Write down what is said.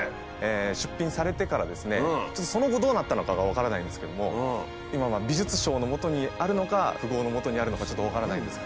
最後その後どうなったのかが分からないんですけども今は美術商のもとにあるのか富豪のもとにあるのかちょっと分からないんです。